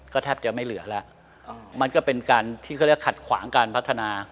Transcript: ก็แทบจะไม่เหลือแล้วมันก็เป็นการที่เขาเรียกขัดขวางการพัฒนา